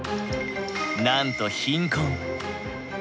なんと貧困。